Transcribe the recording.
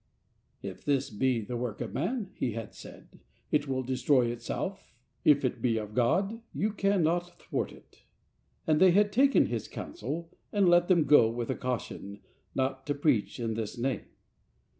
" If this be the work of man," he had said, " it will destroy itself; if it be of God, you cannot thwart it." And they had taken his counsel, and let them go with a caution "not to preach in this name."